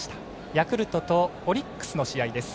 ヤクルトとオリックスの試合です。